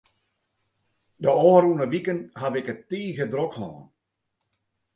De ôfrûne wiken haw ik it tige drok hân.